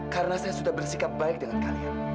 karena saya sudah bersikap baik dengan kalian